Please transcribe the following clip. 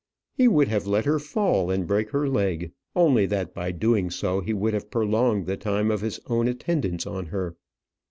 He would have let her fall and break her leg, only that by doing so he would have prolonged the time of his own attendance on her.